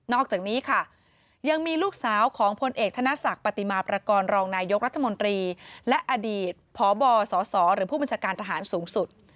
อกจากนี้ค่ะยังมีลูกสาวของพลเอกธนศักดิ์ปฏิมาประกอบรองนายกรัฐมนตรีและอดีตพบสสหรือผู้บัญชาการทหารสูงสุด